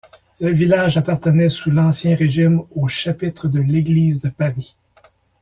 Le village appartenait sous l'Ancien Régime au chapitre de l'Église de Paris.